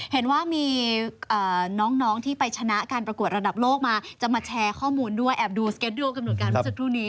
เห็นว่ามีน้องที่ไปชนะการประกวดระดับโลกมาจะมาแชร์ข้อมูลด้วยแอบดูสเก็ตดูกำหนดการเมื่อสักครู่นี้